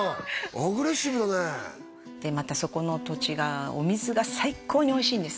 アグレッシブだねでまたそこの土地がお水が最高においしいんです